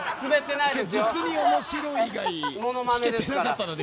実に面白い以外聞けてなかったので。